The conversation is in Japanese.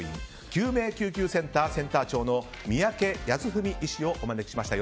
救命救急センター、センター長の三宅康史医師をお招きしました。